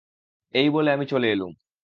এই বলে আমি চলে এলুম।